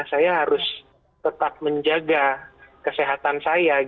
saya harus tetap menjaga kesehatan saya